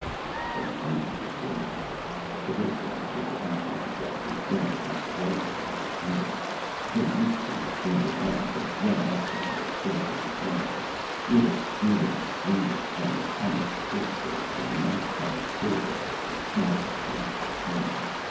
But he needn't have worried. The little ones were detaching themselves and scrambling up the rifle and the sling. They reached his extended arms and ran up them with scrabbling claws. Little sneering screamers and the comic stilt birds and the mouse size kill devils that snarled at him as they climbed.